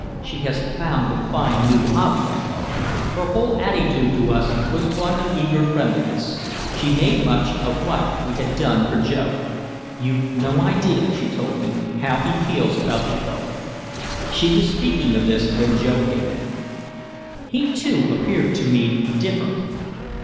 "She has found a fine new hobby," I thought. Her whole attitude to us was one of eager friendliness. She made much of what we had done for Joe. "You've no idea," she told me, "how he feels about you both." She was speaking of this when Joe came in. He, too, appeared to me different.